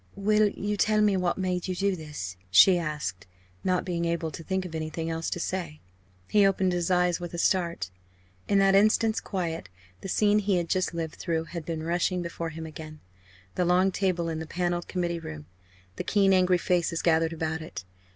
"Will you tell me what made you do this?" she asked, not being able to think of anything else to say. He opened his eyes with a start. In that instant's quiet the scene he had just lived through had been rushing before him again the long table in the panelled committee room, the keen angry faces gathered about it.